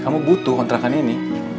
aku butuh kontrakan ini